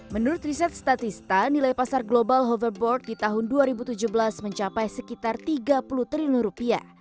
menurut riset statista nilai pasar global hoverboard di tahun dua ribu tujuh belas mencapai sekitar tiga puluh triliun rupiah